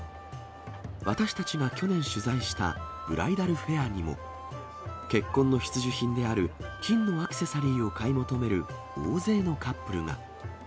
私たちが去年取材したブライダルフェアにも、結婚の必需品である金のアクセサリーを買い求める大勢のカップルが。